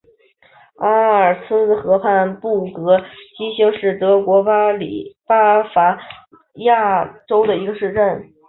阿尔茨河畔布格基兴是德国巴伐利亚州的一个市镇。